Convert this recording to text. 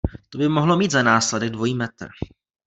To by mohlo mít za následek dvojí metr.